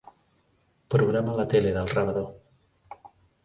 Programa la tele del rebedor.